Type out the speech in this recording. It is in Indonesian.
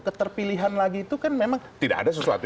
keterpilihan lagi itu kan memang tidak ada sesuatu